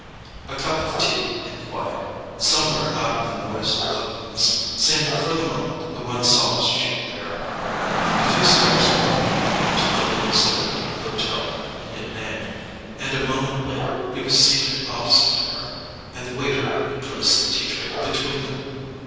A cup of tea in quiet, somewhere out of the noise and ugliness, seemed for the moment the one solace she could bear. A few steps brought them to the ladies' door of the hotel he had named, and a moment later he was seated opposite to her, and the waiter had placed the tea tray between them.